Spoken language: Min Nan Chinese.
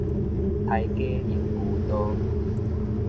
刣雞用牛刀